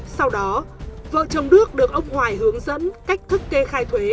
sau đó vợ chồng đức được ông hoài hướng dẫn cách thức kê khai thuế